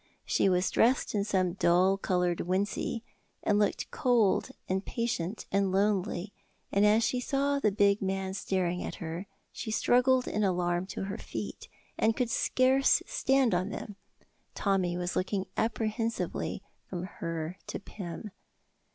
She was dressed in some dull coloured wincey, and looked cold and patient and lonely, and as she saw the big man staring at her she struggled in alarm to her feet, and could scarce stand on them. Tommy was looking apprehensively from her to Pym.